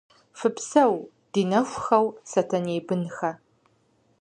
Фыпсэу, ди нэхухэу, сэтэней бынхэ.